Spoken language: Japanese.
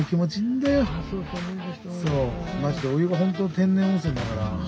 マジでお湯が本当の天然温泉だから。